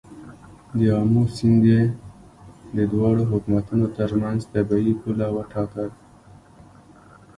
د آمو سیند یې د دواړو حکومتونو تر منځ طبیعي پوله وټاکه.